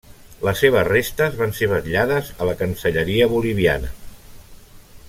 Les seves restes van ser vetllades a la cancelleria boliviana.